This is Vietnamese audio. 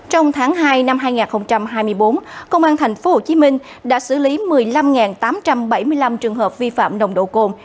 trong tháng hai năm hai nghìn hai mươi bốn công an thành phố hồ chí minh đã xử lý một mươi năm tám trăm bảy mươi năm trường hợp vi phạm nồng độ côn